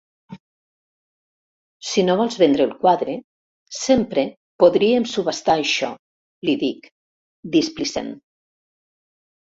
Si no vols vendre el quadre, sempre podríem subhastar això –li dic, displicent–.